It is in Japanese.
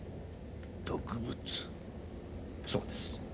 そうです。